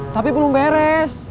tapi belum beres